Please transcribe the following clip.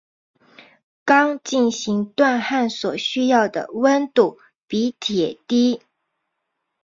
钢进行锻焊所需要的温度比铁低。